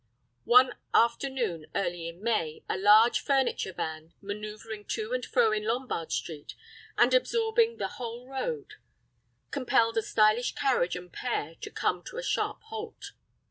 One afternoon early in May a large furniture van, manœuvring to and fro in Lombard Street and absorbing the whole road, compelled a stylish carriage and pair to come to a sharp halt.